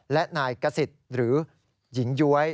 และนายกษิตหรือหญิงย้วย